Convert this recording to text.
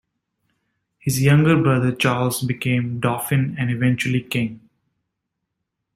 His younger brother Charles became dauphin and eventually king.